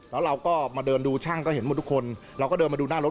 แล้วเราก็มาเดินดูช่างก็เห็นหมดทุกคนเราก็เดินมาดูหน้ารถ